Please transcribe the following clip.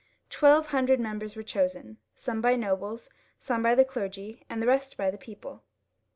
Twelve hundred members were chosen, some by the nobles, some by the clergy, and the rest by the people.